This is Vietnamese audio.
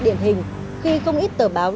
điển hình khi không ít tờ báo